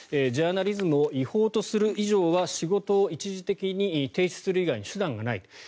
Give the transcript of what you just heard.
ジャーナリズムを違法とする以上は仕事を一時的に停止する以外手段がない。